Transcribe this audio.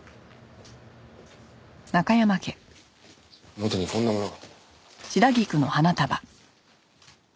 表にこんなものが。